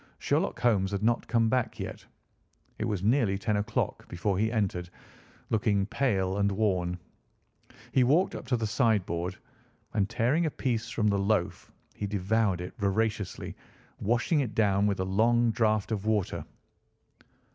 Sherlock Holmes had not come back yet. It was nearly ten o'clock before he entered, looking pale and worn. He walked up to the sideboard, and tearing a piece from the loaf he devoured it voraciously, washing it down with a long draught of water.